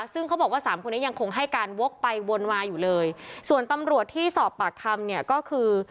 ซึ่งเขาบอกว่าสามคนนี้ยังคงให้การวกไปวนมาอยู่เลยส่วนตำรวจที่สอบปากคำเนี่ยก็คือ